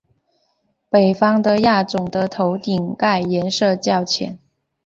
北方的亚种的头顶盖颜色较浅。